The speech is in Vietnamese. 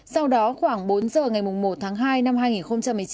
sau đó khoảng bốn giờ ngày một tháng hai năm hai nghìn một mươi chín